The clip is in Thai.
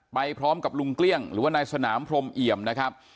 ไปพร้อมกับลุงเกลี้ยงหรือว่านายสนามพรมเอี่ยมนะครับ